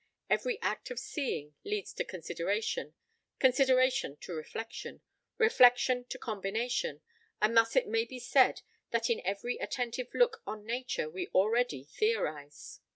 Every act of seeing leads to consideration, consideration to reflection, reflection to combination, and thus it may be said that in every attentive look on nature we already theorise.